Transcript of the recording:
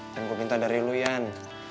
dan gue minta dari lo yan